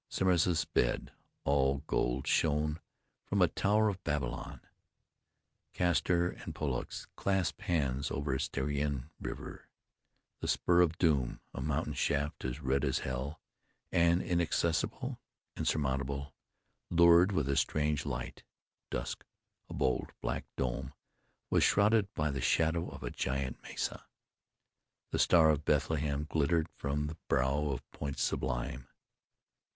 Semiramis's Bed, all gold, shone from a tower of Babylon. Castor and Pollux clasped hands over a Stygian river. The Spur of Doom, a mountain shaft as red as hell, and inaccessible, insurmountable, lured with strange light. Dusk, a bold, black dome, was shrouded by the shadow of a giant mesa. The Star of Bethlehem glittered from the brow of Point Sublime.